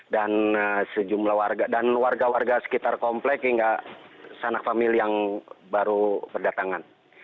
dan sejumlah warga dan warga warga sekitar komplek hingga sanak famil yang baru berdatangan